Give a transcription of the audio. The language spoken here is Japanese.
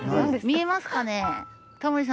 見えますかね？